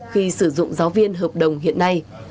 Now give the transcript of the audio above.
khi sử dụng giáo viên hợp đồng hiện nay